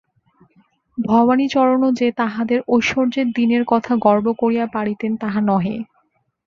ভবানীচরণও যে তাঁহাদের ঐশ্বর্যের দিনের কথা গর্ব করিয়া পাড়িতেন তাহা নহে।